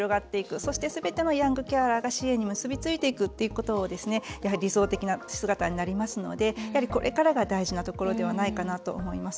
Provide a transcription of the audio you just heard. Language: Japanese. そしてすべてのヤングケアラーの支援に結び付いていくというのが理想的な姿になりますのでこれからが大事なところではないかなと思います。